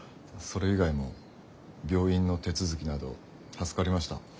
それ以外も病院の手続きなど助かりました。